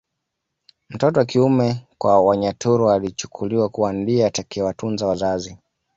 Mtoto wa kiume kwa Wanyaturu alichukuliwa kuwa ndiye atakayewatunza wazazi